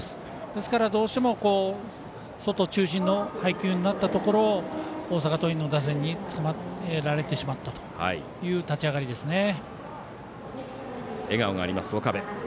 ですから、どうしても外中心の配球になったところを大阪桐蔭の打線につかまえられてしまったという笑顔があります、岡部。